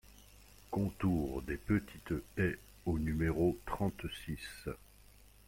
Contour des Petites Haies au numéro trente-six